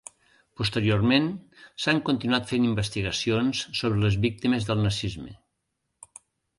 Posteriorment s’han continuant fent investigacions sobre les víctimes del nazisme.